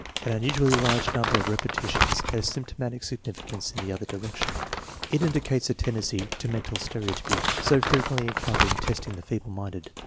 An unusually large number of repetitions has symptomatic significance in the other direction. It indicates a tendency to mental stereo 270 THE MEASUREMENT OF INTELLIGENCE typy, so frequently encountered in testing the feeble minded.